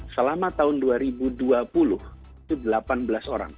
selama tahun dua ribu dua puluh itu delapan belas orang